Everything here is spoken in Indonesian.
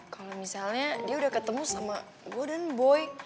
kalau misalnya dia udah ketemu sama gue dan boy